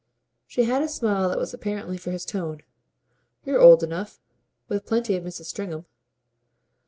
She had a smile that was apparently for his tone. "You're old enough with plenty of Mrs. Stringham."